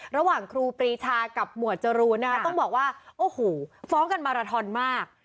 ครูปรีชากับหมวดจรูนนะคะต้องบอกว่าโอ้โหฟ้องกันมาราทอนมาก